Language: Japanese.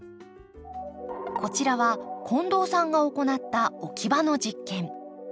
こちらは近藤さんが行った置き場の実験。